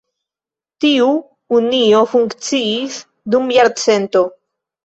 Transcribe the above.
Tiu unio funkciis dum jarcento.